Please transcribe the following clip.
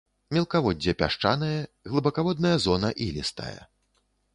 Мелкаводдзе пясчанае, глыбакаводная зона ілістая.